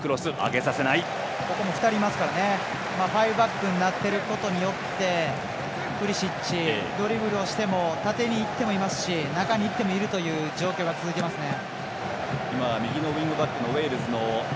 ここも２人いますからファイブバックになっていることによってプリシッチ、ドリブルしても縦にいっても、いますし中にいってもいるという状況が続いていますね。